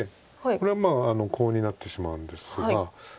これはコウになってしまうんですが。